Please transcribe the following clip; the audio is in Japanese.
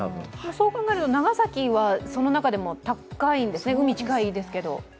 そう考えると長崎はその中でも高いんですね、海近いですけど。